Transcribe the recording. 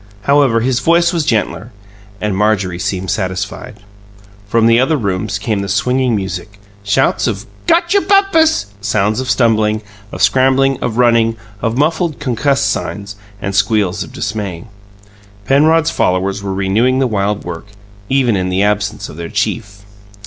However, his voice was gentler, and Marjorie seemed satisfied. From the other rooms came the swinging music, shouts of "Gotcher bumpus!" sounds of stumbling, of scrambling, of running, of muffled concus signs and squeals of dismay. Penrod's followers were renewing the wild work, even in the absence of their chief.